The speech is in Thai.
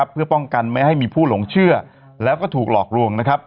เพื่อป้องกันไม่ให้มีผู้หลงเชื่อแล้วก็ถูกหลอกลวง